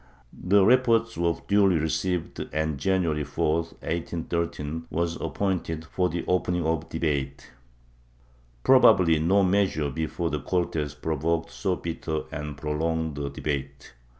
The reports were duly received and January 4, 1813, was appointed for the opening of debate.^ Probably no measure before the Cortes provoked so bitter and prolonged a debate.